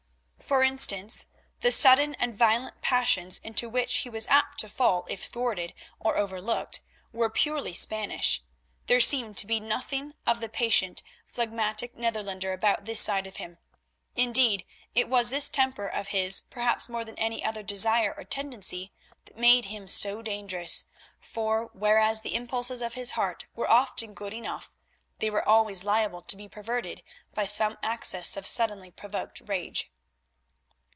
For instance, the sudden and violent passions into which he was apt to fall if thwarted or overlooked were purely Spanish; there seemed to be nothing of the patient, phlegmatic Netherlander about this side of him. Indeed it was this temper of his perhaps more than any other desire or tendency that made him so dangerous, for, whereas the impulses of his heart were often good enough, they were always liable to be perverted by some access of suddenly provoked rage.